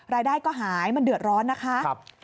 รายได้ก็หายมันเดือดร้อนนะคะ